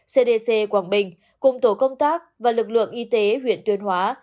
cdc quảng bình cùng tổ công tác và lực lượng y tế huyện tuyên hóa